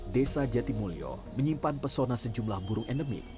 desa jatimulyo menyimpan pesona sejumlah burung endemik